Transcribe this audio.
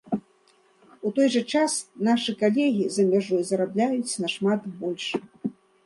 У той жа час, нашы калегі за мяжой зарабляюць нашмат больш.